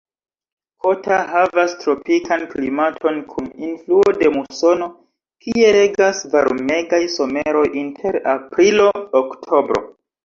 Kota havas tropikan klimaton kun influo de musono, kie regas varmegaj someroj inter aprilo-oktobro.